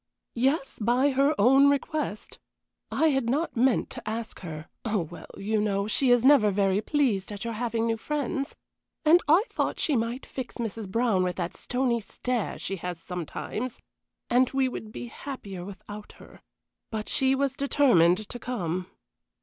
"Yes, by her own request. I had not meant to ask her Oh, well, you know, she is never very pleased at your having new friends, and I thought she might fix Mrs. Brown with that stony stare she has sometimes, and we would be happier without her; but she was determined to come."